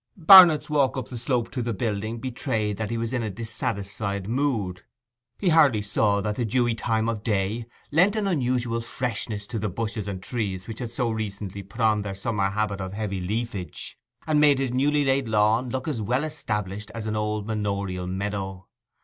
Barnet's walk up the slope to the building betrayed that he was in a dissatisfied mood. He hardly saw that the dewy time of day lent an unusual freshness to the bushes and trees which had so recently put on their summer habit of heavy leafage, and made his newly laid lawn look as well established as an old manorial meadow.